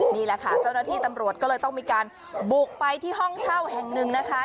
นี่แหละค่ะเจ้าหน้าที่ตำรวจก็เลยต้องมีการบุกไปที่ห้องเช่าแห่งหนึ่งนะคะ